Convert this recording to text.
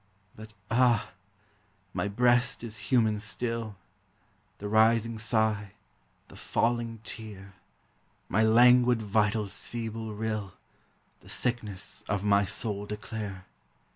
But ah! my breast is human still; The rising sigh, the falling tear, My languid vitals' feeble rill, The sickness of my soul declare.